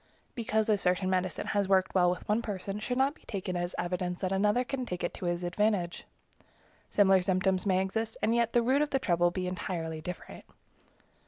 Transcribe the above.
Because a certain medicine has worked well with one person should not be taken as evidence that another can take it to his advantage. Similar symptoms may exist, and yet the root of the trouble be entirely different.